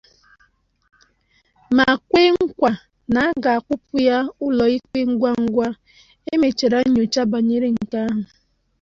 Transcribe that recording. ma kwe nkwà na a ga-akpụpụ ha ụlọikpe ngwangwa e mechara nnyocha banyere nke ahụ